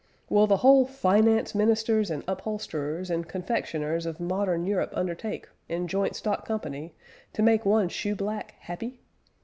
Will the whole Finance Ministers and Upholsterers and Confectioners of modern Europe undertake, in jointstock company, to make one Shoeblack Happy?